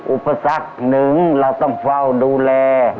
อุปสรรคหนึ่งเราต้องเฝ้าดูแล